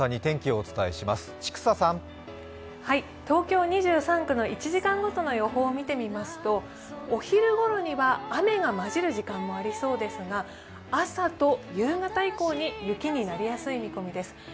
東京２３区の１時間ごとの予報を見てみますと、お昼ごろには雨が混じる時間もありそうですが、朝と夕方以降に雪になりやすい見込みです。